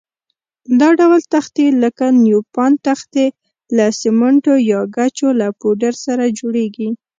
دا ډول تختې لکه نیوپان تختې له سمنټو یا ګچو له پوډر سره جوړېږي.